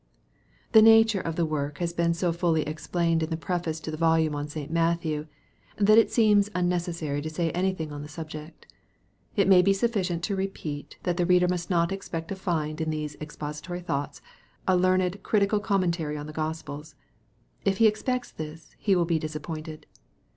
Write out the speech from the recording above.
The nature of the work has been so fully explained in the preface to the volume on St. Matthew, that it seems unnecessary to say anything on the subject. It may be sufficient to repeat that the reader must not expect to find in these "Expository Thoughts," a learned critical com mentary on the Gospels. If he expects this he will be dis appointed.